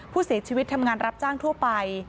ผู้เสียชีวิตทำงานรับจ้างทั่วไป